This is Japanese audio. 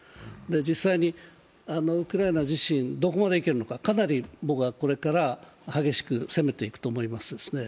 実際にウクライナ自身どこまでいけるのか、かなりこれから激しく攻めていくと思いますね。